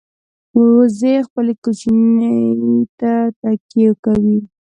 وزې خپل کوچني ته تکیه کوي